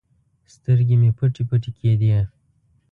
سترګې مې پټې پټې کېدې.